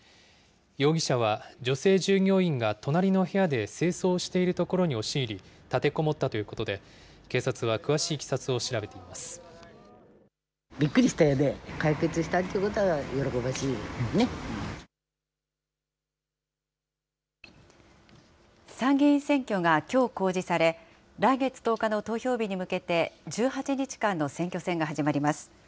容疑者は、女性従業員が隣の部屋で清掃をしているところに押し入り、立てこもったということで、警察は詳しいいきさつを調べてい参議院選挙がきょう公示され、来月１０日の投票日に向けて、１８日間の選挙戦が始まります。